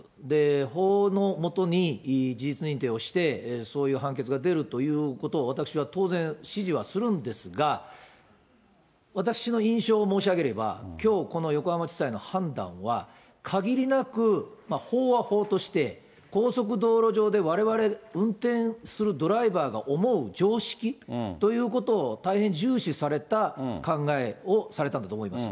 法の下に事実認定をして、そういう判決が出るということを、私は当然支持はするんですが、私の印象を申し上げれば、きょう、この横浜地裁の判断は、かぎりなく、法は法として、高速道路上でわれわれ運転するドライバーが思う常識ということを、大変重視された考えをされたんだと思います。